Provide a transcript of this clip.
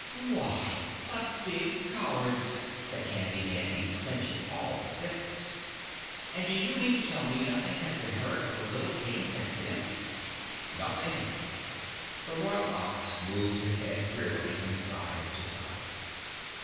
"WHY the big cowards!" said Handy Mandy, clenching all of her fists, "And do you mean to tell me nothing has been heard of the little King since then?" "Nothing." The Royal Ox moved his head drearily from side to side.